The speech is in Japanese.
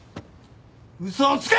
嘘をつけ！